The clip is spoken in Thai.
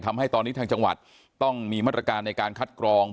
ทำให้ตอนนี้ทางจังหวัดต้องมีมาตรการในการคัดกรอง